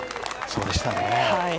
そうでしたね。